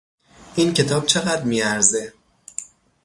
این کتاب چه قدر میارزه؟